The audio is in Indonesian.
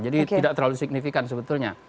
jadi tidak terlalu signifikan sebetulnya